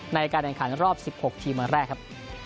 ในการแข่งขันรอบ๑๖ทีมวันแรกครับ